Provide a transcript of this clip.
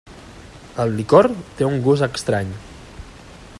El licor té un gust estrany.